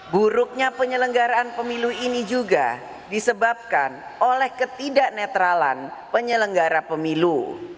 buruknya penyelenggaraan pemilu ini juga disebabkan oleh ketidak netralan penyelenggara pemilu